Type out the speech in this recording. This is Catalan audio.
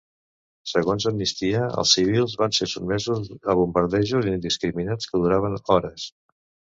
Segons Amnistia, els civils van ser sotmesos a bombardejos indiscriminats que duraven hores.